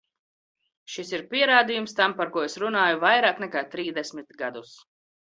Šis ir pierādījums tam, par ko es runāju vairāk nekā trīsdesmit gadus.